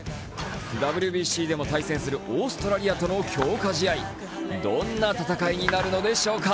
ＷＢＣでも対戦するオーストラリアとの強化試合、どんな戦いになるのでしょうか。